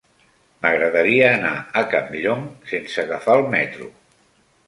M'agradaria anar a Campllong sense agafar el metro.